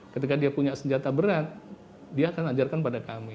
ketika dia punya senjata berat dia akan ajarkan pada kami